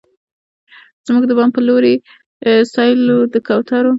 زموږ د بام په لورې، سیل د کوترو